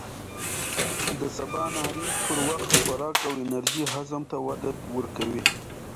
د سباناري پر وخت خوراک د انرژۍ هضم ته وده ورکوي.